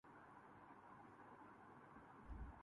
پیتا ہوں دھو کے خسروِ شیریں سخن کے پانو